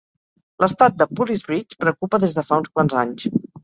L'estat de Pooley's Bridge preocupa des de fa uns quants anys.